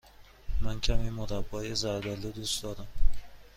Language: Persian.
من کمی مربای زرد آلو دوست دارم.